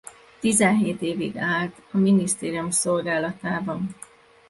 Tizenhét évig állt a minisztérium szolgálatában.